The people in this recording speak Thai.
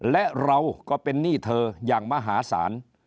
และเราก็เป็นหนี้เธออย่างมหาศาล